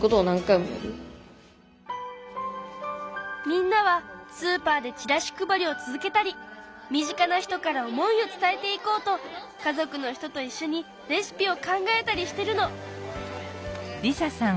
みんなはスーパーでチラシ配りを続けたり身近な人から思いを伝えていこうと家族の人といっしょにレシピを考えたりしてるの！